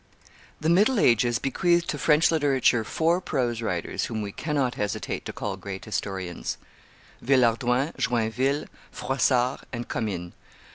The middle ages bequeathed to French literature four prose writers whom we cannot hesitate to call great historians: Villehardouin, Joinville, Froissart, and Commynes.